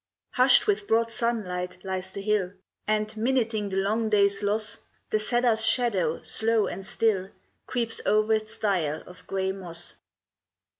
Hushed with broad sunlight lies the hill, And, minuting the long day's loss, The cedar's shadow, slow and still, Creeps o'er its dial of gray moss.